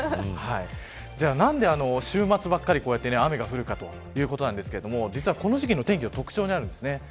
何で週末ばかり雨が降るかということなんですがこの時期の天気の特徴にあるんです。